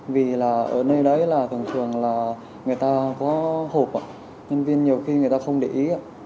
vì là ở nơi đấy là thường thường là người ta có hộp nhân viên nhiều khi người ta không để ý